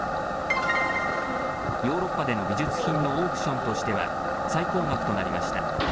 ヨーロッパでの美術品のオークションとしては最高額となりました。